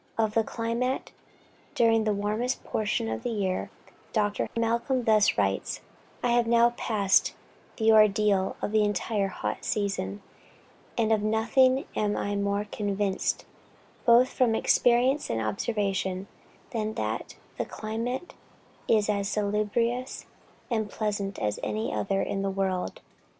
Of the climate during the warmest portion of the year, Dr. Malcom thus writes: "I have now passed the ordeal of the entire hot season, and of nothing am I more convinced, both from experience and observation, than that the climate is as salubrious and pleasant as any other in the world.